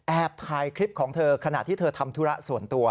ถ่ายคลิปของเธอขณะที่เธอทำธุระส่วนตัว